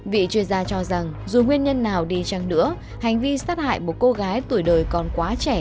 vị chuyên gia cho rằng dù nguyên nhân nào đi chăng nữa hành vi sát hại một cô gái tuổi đời còn quá trẻ